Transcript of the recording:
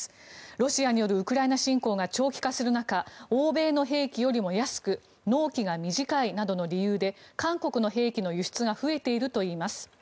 ロシアによるウクライナ侵攻が長期化する中欧米の兵器よりも安く納期が短いなどの理由で韓国の兵器の輸出が増えているといいます。